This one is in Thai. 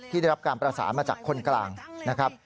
ได้รับการประสานมาจากคนกลางนะครับ